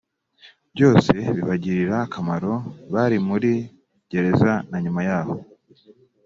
byose bibagirira akamaro bari muri gereza na nyuma yaho